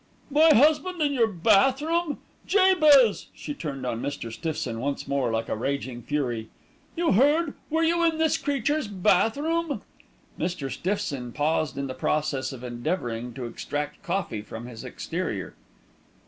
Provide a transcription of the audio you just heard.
"My husband in your bath room! Jabez!" she turned on Mr. Stiffson once more like a raging fury. "You heard! were you in this creature's bath room?" Mr. Stiffson paused in the process of endeavouring to extract coffee from his exterior.